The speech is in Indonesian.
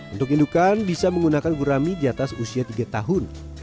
untuk indukan bisa menggunakan gurami diatas usia tiga tahun